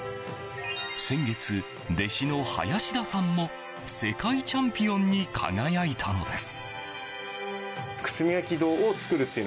先月、弟子の林田さんも世界チャンピオンに輝いたのです。